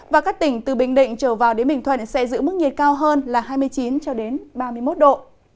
và các tỉnh từ bình định trở vào đến bình thuận sẽ giữ mức nhiệt cao hơn là hai mươi chín ba mươi một độ